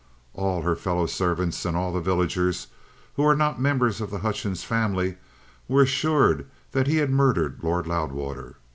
All her fellow servants and all the villagers, who were not members of the Hutchings family, were assured that he had murdered Lord Loudwater.